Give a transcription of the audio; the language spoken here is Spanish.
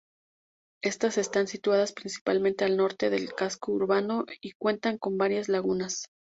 Estas están situadas principalmente al norte del casco urbano y cuentan con varias lagunas.